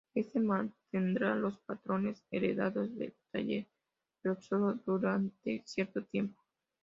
Este mantendrá los patrones heredados del taller, pero solo durante cierto tiempo.